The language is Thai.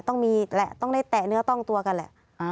ต้องมีแหละต้องได้แตะเนื้อต้องตัวกันแหละ